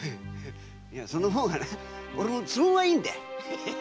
その方が俺も都合がいいんだよ。